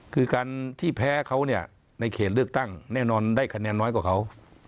คือการที่แพ้เขาเนี่ยในเขตเลือกตั้งแน่นอนได้คะแนนน้อยกว่าเขา